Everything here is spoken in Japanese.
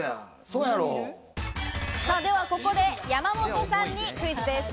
ではここで山本さんにクイズです。